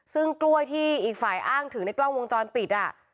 ซึ่งกล้วยที่อีกฝ่ายอ้างถึงในกล้องวงจรปิด